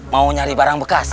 mau nyari barang bekas